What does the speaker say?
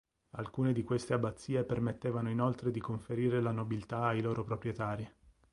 Alcune di queste abbazie permettevano inoltre di conferire la nobiltà ai loro proprietari.